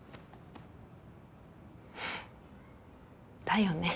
だよね。